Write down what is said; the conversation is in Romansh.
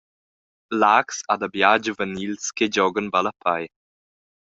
Laax ha dabia giuvenils che giogan ballapei.